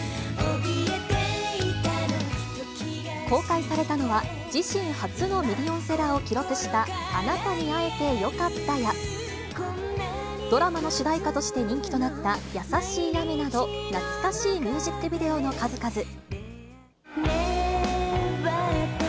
公開されたのは、自身初のミリオンセラーを記録した、あなたに会えてよかったや、ドラマの主題歌として人気となった優しい雨など、懐かしいミュージックビデオの数々。